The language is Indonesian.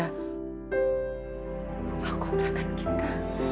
rumah kontrakan kita